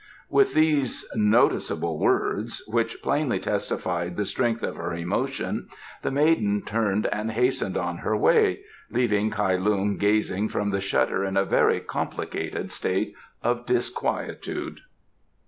With these noticeable words, which plainly testified the strength of her emotion, the maiden turned and hastened on her way, leaving Kai Lung gazing from the shutter in a very complicated state of disquietude.